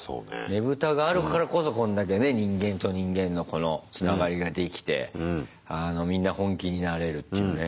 ねぶたがあるからこそこんだけね人間と人間のこのつながりができてみんな本気になれるっていうね。